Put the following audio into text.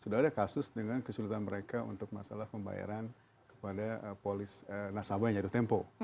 sudah ada kasus dengan kesulitan mereka untuk masalah pembayaran kepada nasabahnya yaitu tempo